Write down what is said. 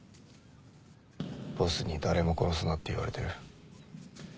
ボスに誰も殺すなって言われてる。